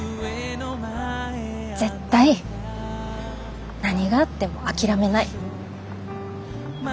絶対何があっても諦めない。